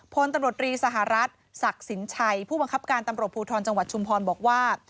พลตำรวจรีสหรัฐศักดิ์สินชัยผู้บังคับการตำรวจภูทรจังหวัดชุมพรบอกว่า